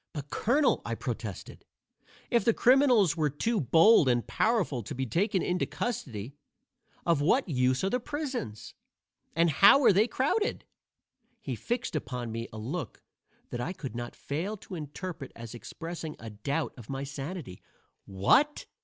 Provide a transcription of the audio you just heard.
"But, Colonel," I protested, "if the criminals were too bold and powerful to be taken into custody, of what use are the prisons? And how are they crowded?" He fixed upon me a look that I could not fail to interpret as expressing a doubt of my sanity. "What!"